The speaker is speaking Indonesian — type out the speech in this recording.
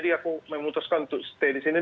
kita memutuskan untuk stay di sini